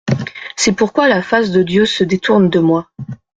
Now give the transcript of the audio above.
C'est pourquoi la face de Dieu se détourne de moi.